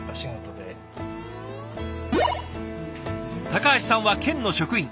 高橋さんは県の職員。